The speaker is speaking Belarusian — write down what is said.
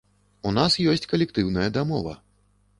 У нас ёсць калектыўная дамова.